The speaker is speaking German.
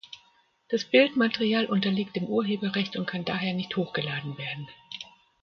Das Bildmaterial unterliegt dem Urheberrecht und kann daher nicht hochgeladen werden.